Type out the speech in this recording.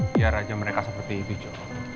biar aja mereka seperti itu